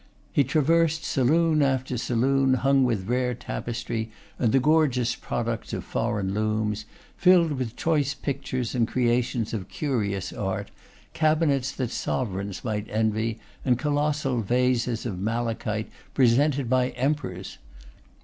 He traversed saloon after saloon hung with rare tapestry and the gorgeous products of foreign looms; filled with choice pictures and creations of curious art; cabinets that sovereigns might envy, and colossal vases of malachite presented by emperors.